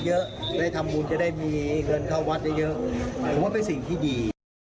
เยอะได้ทำบุญจะได้มีเงินเข้าวัดเยอะผมว่าเป็นสิ่งที่ดี